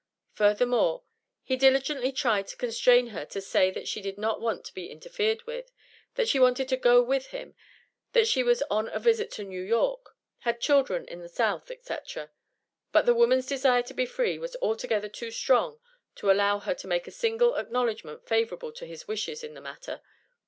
Furthermore, he diligently tried to constrain her to say that she did not want to be interfered with that she wanted to go with him that she was on a visit to New York had children in the South, etc.; but the woman's desire to be free was altogether too strong to allow her to make a single acknowledgment favorable to his wishes in the matter.